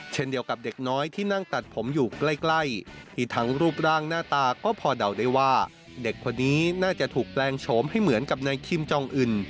เช่นเดียวกับเด็กน้อยที่นั่งตัดผมอยู่ใกล้ที่ทั้งรูปร่างหน้าตาก็พอเดาได้ว่าเด็กคนนี้น่าจะถูกแปลงโฉมให้เหมือนกับนายคิมจองอื่น